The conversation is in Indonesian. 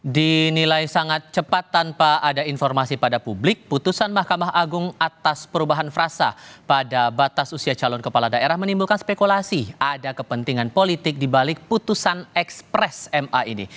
dinilai sangat cepat tanpa ada informasi pada publik putusan mahkamah agung atas perubahan frasa pada batas usia calon kepala daerah menimbulkan spekulasi ada kepentingan politik dibalik putusan ekspres ma ini